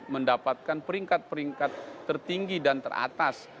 mendapatkan peringkat peringkat tertinggi dan teratas